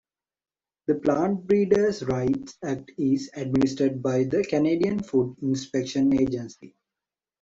The Plant Breeders' Right's Act is administered by the Canadian Food Inspection Agency.